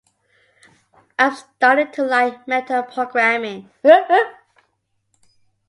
I'm starting to like meta programming.